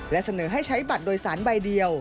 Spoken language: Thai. และเสนอให้ใช้บัตรโดยสารใบเดียว